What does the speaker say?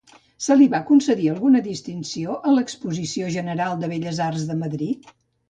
Se li va concedir alguna distinció a l'Exposició General de Belles Arts de Madrid?